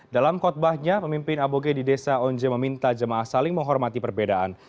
dalam khutbahnya pemimpin aboge di desa onje meminta jemaah saling menghormati perbedaan